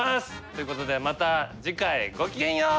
ということでまた次回ごきげんよう！